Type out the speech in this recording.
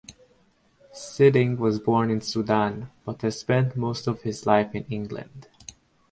Siddig was born in Sudan but has spent most of his life in England.